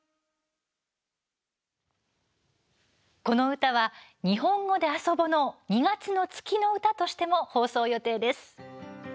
この歌は「にほんごであそぼ」の２月の「月の歌」としても放送予定です。